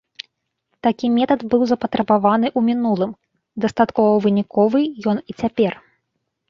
Такі метад быў запатрабаваны ў мінулым, дастаткова выніковы ён і цяпер.